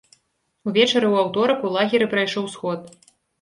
Увечары ў аўторак у лагеры прайшоў сход.